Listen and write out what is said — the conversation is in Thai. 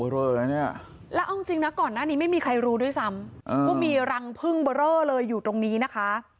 รอแล้วเนี่ยแล้วเอาจริงนะก่อนหน้านี้ไม่มีใครรู้ด้วยซ้ำว่ามีรังพึ่งเบอร์เรอเลยอยู่ตรงนี้นะคะ